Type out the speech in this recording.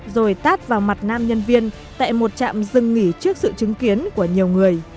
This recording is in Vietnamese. rồi tát vào mặt nam nhân viên tại một trạm dừng nghỉ trước sự chứng kiến của nhiều người